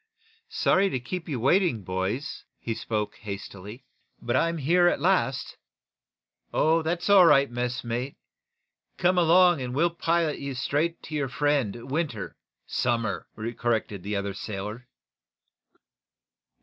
"Sorry to keep you waiting, boys," he spoke, hastily. "But I'm here at last." "Oh, that's all right, messmate. Come along and we'll pilot you straight to your friend, Winter " "Somers," corrected the other sailor.